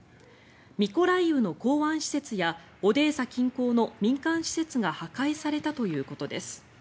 ミコライウの港湾施設やオデーサ近郊の民間施設が破壊されたということです。